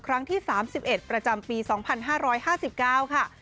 ครั้งที่๓๑ประจำปี๒๕๕๙ค่ะ